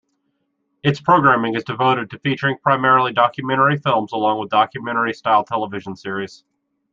Its programming is devoted to featuring primarily documentary films along with documentary-style television series.